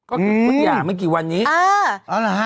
อืมประหย่าไม่กี่วันนี้เออฮ่าหรือฮะ